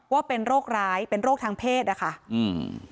ว่าเป็นโรคร้ายเป็นโรคทางเพศนะคะอืม